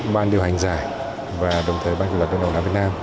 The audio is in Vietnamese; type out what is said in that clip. ban điều hành giải và đồng thời ban câu lạc bộ hà nội việt nam